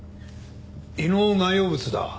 胃の内容物だ。